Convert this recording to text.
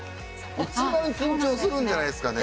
一番緊張するんじゃないですかね。